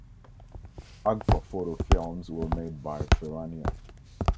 AgfaPhoto films were made by Ferrania.